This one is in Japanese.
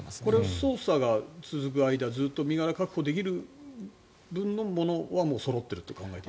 捜査が続く間ずっと身柄を確保できる分のものはもうそろっていると思っていい？